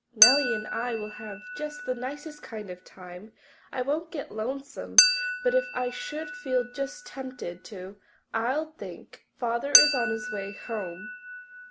Nellie and I will have just the nicest kind of a time. I won't get lonesome, but if I should feel just tempted to, I'll think, Father is on his way home.